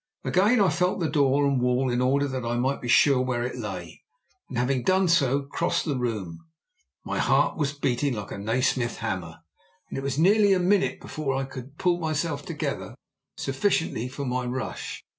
Again I felt the door and wall in order that I might be sure where it lay, and having done so crossed the room. My heart was beating like a Nasmyth hammer, and it was nearly a minute before I could pull myself together sufficiently for my rush.